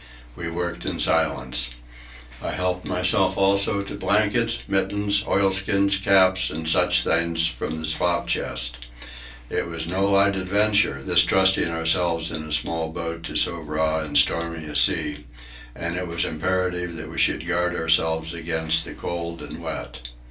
We worked in silence. I helped myself also to blankets, mittens, oilskins, caps, and such things, from the slop chest. It was no light adventure, this trusting ourselves in a small boat to so raw and stormy a sea, and it was imperative that we should guard ourselves against the cold and wet.